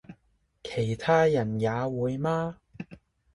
其他人也會嗎？